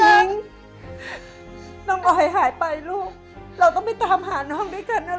น้องน้องออยหายไปลูกเราต้องไปตามหาน้องด้วยกันนะ